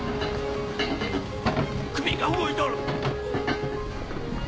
首が動いとる！